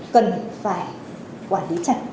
cần phải quản lý chặt